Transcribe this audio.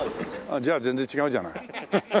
じゃあ全然違うじゃない。